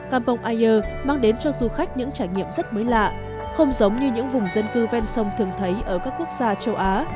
campong aier mang đến cho du khách những trải nghiệm rất mới lạ không giống như những vùng dân cư ven sông thường thấy ở các quốc gia châu á